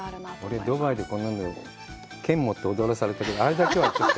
俺、ドバイで、こんなの剣持って踊らされたけど、あれだけは、ちょっと。